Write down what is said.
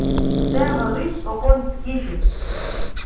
— Се велить покон скіфів.